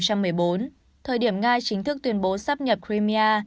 thời điểm nga chính thức tuyên bố sắp nhập greenmia